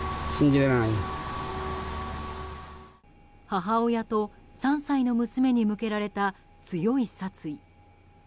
母親と３歳の娘に向けられた強い殺意。